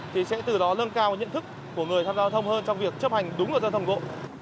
thì sẽ từ đó lâng cao nhận thức của người tham gia giao thông hơn trong việc chấp hành đúng luật giao thông bộ